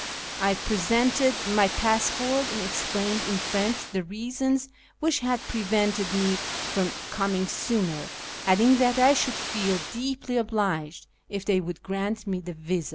I presented my passport, and explained in French the reasons which had pre vented me from coming sooner, adding that I should feel deeply obliged if they would grant me the visa.